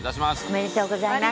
おめでとうございます。